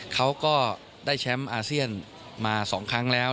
เขาก็ได้แชมป์อาเซียนมา๒ครั้งแล้ว